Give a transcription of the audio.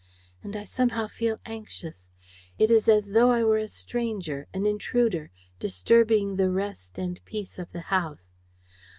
And I somehow feel anxious. It is as though I were a stranger, an intruder, disturbing the rest and peace of the house.